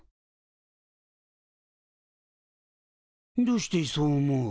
どうしてそう思う？